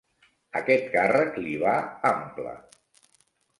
Aquest càrrec li va ample.